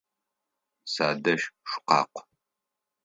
Садэжь шъукъакӏу!